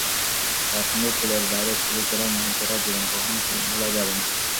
তাঁর সঙ্গে পুলের বাইরে ছবি তোলার মুহূর্তটা জীবনে কখনো ভোলা যাবে না।